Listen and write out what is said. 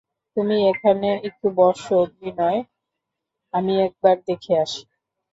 তুমি এখানে একটু বোসো বিনয়, আমি একবার দেখে আসি।